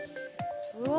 うわ。